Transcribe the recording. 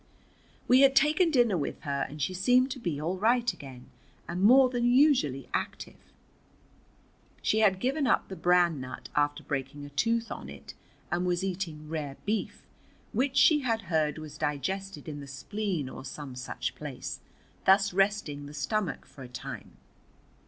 We had taken dinner with her, and she seemed to be all right again and more than usually active. She had given up the Bran Nut after breaking a tooth on it, and was eating rare beef, which she had heard was digested in the spleen or some such place, thus resting the stomach for a time.